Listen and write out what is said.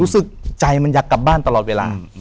ใจมันอยากกลับบ้านตลอดเวลา